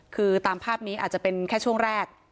คือตามภาพนี้อาจจะเป็นแค่ช่วงแรก